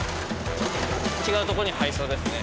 違うとこに配送ですね。